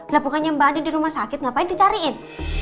lah bukannya mbak adi di rumah sakit ngapain dicariin